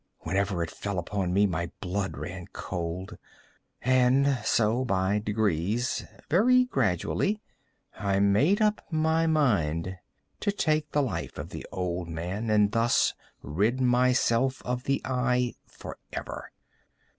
Whenever it fell upon me, my blood ran cold; and so by degrees—very gradually—I made up my mind to take the life of the old man, and thus rid myself of the eye forever.